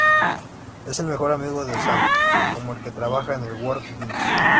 Es el mejor amigo de Sam, con el que trabaja en el Work Bench.